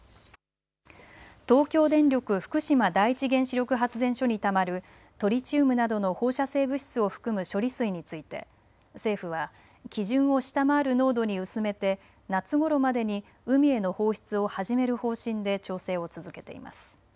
東京電力福島第一原子力発電所にたまるトリチウムなどの放射性物質を含む処理水について政府は基準を下回る濃度に薄めて夏ごろまでに海への放出を始める方針で調整を続けています。